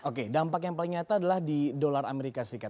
oke dampak yang paling nyata adalah di dolar amerika serikat